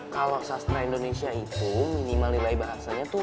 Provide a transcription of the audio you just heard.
kalau sastra indonesia itu minimal nilai bahasanya tuh delapan deh